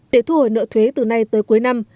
để thu hồi nợ thuế từ nay tới cuối năm